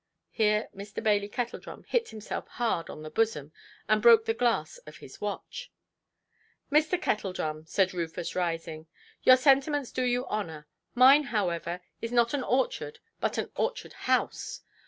Here Mr. Bailey Kettledrum hit himself hard on the bosom, and broke the glass of his watch. "Mr. Kettledrum", said Rufus, rising, "your sentiments do you honour. Mine, however, is not an orchard, but an orchard–house".